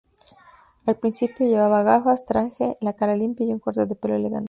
Al principio llevaba gafas, traje, la cara limpia y un corte de pelo elegante.